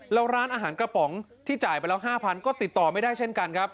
แล้วร้านอาหารกระป๋องที่จ่ายไปแล้ว๕๐๐ก็ติดต่อไม่ได้เช่นกันครับ